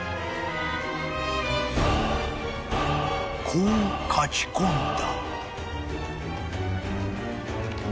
［こう書き込んだ］